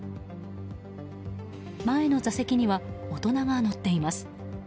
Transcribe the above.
前の座席には大人が乗っています。